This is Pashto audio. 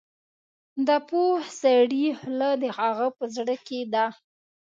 د پوه سړي خوله د هغه په زړه کې ده.